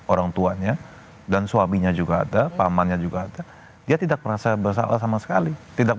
orang tuanya dan suaminya juga ada pamannya juga ada dia tidak merasa bersalah sama sekali tidak